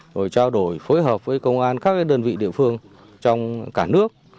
rồi trao đổi phối hợp với công an các đơn vị địa phương trong cả nước